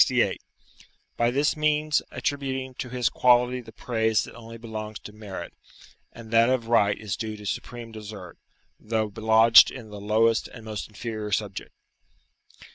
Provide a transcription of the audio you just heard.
68.] by this means attributing to his quality the praise that only belongs to merit, and that of right is due to supreme desert, though lodged in the lowest and most inferior subject.